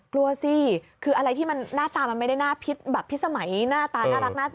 กลัวสิคืออะไรที่มันหน้าตามันไม่ได้น่าพิษแบบพิษสมัยหน้าตาน่ารัก